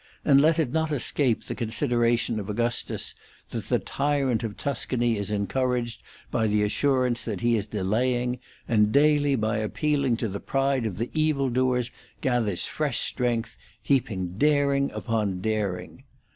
andlet it not escape the consideration of Augustus that the tyrant of Tuscany is encouraged by the assurance that he is delaying, and daily by appealing to the pride of the evil doers gathers fresh strength, heaping daring upon daring.